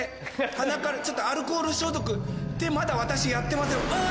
鼻からちょっとアルコール消毒手まだ私やってませんああ！